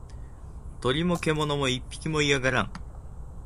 鳥も獣も一匹も居やがらん